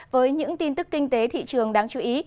với những tin tức kinh tế thị trường đáng chú ý